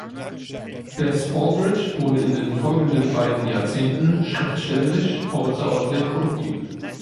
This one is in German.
Bess Aldrich wurde in den folgenden beiden Jahrzehnten schriftstellerisch außerordentlich produktiv.